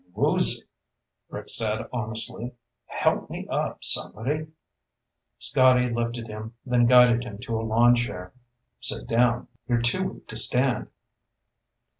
"Woozy," Rick said honestly. "Help me up, somebody." Scotty lifted him, then guided him to a lawn chair. "Sit down. You're too weak to stand."